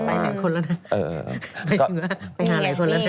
ไปเป็นคนละนะไปชัวร์ไปหาอะไรคนละนะ